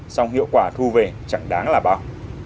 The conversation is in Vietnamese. xong hiệu quả thu về chẳng đáng là bao